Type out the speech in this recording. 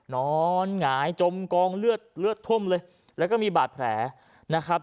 นอนหงายจมกองเลือดเลือดท่วมเลยแล้วก็มีบาดแผลนะครับ